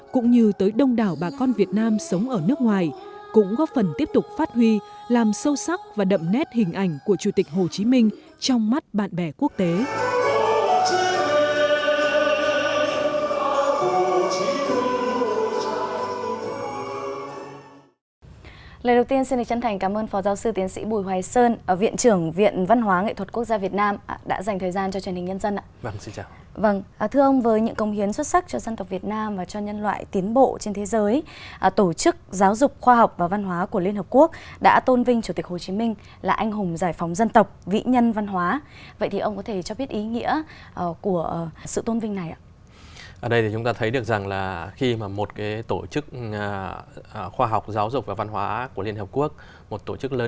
cũng như tới đông đảo bà con việt nam sống ở nước ngoài cũng góp phần tiếp tục phát huy làm sâu sắc và đậm nét hình ảnh của chủ tịch hồ chí minh trong mắt bạn bè quốc tế